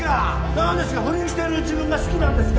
何ですか不倫してる自分が好きなんですか